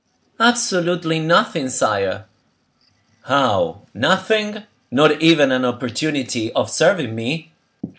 "Absolutely nothing, sire." "How! nothing? Not even an opportunity of serving me?"